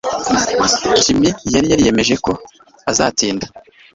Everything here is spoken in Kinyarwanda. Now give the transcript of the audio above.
Jim yari yariyemeje ko azatsinda